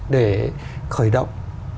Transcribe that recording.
để khởi động